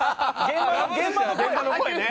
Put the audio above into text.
現場の声ね。